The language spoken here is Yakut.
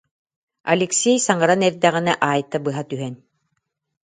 Алексей саҥаран эрдэҕинэ, Айта быһа түһэн: